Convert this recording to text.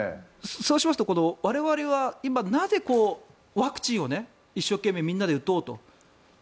そうしますと我々は今、なぜワクチンを一生懸命みんなで打とうと。